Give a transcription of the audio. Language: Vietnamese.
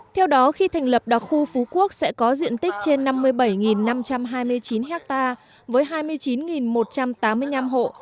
theo đó khi thành lập đặc khu phú quốc sẽ có diện tích trên năm mươi bảy năm trăm hai mươi chín ha với hai mươi chín một trăm tám mươi năm hộ